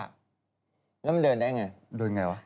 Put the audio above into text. แล้วมันเดินได้อย่างไรเดินอย่างไรวะ